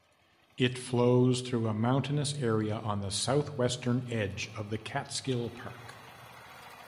It flows through a mountainous area on the southwestern edge of the Catskill Park.